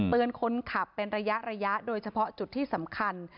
คนขับเป็นระยะโดยเฉพาะจุดที่สำคัญ